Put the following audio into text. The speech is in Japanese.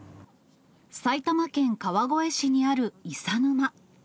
埼玉県川越市にある伊佐沼。